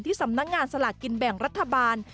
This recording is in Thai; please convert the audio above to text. สำนักงานสลากกินแบ่งรัฐบาล